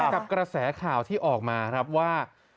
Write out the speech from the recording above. กับกระแสข่าวที่ออกมาครับว่า